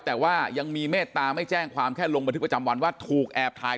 แต่ว่ายังมีเมตตาไม่แจ้งความแค่ลงบันทึกประจำวันว่าถูกแอบถ่าย